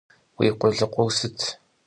Vui khulıkhur sıt?